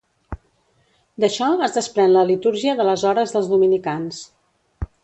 D'això es desprèn la litúrgia de les hores dels dominicans.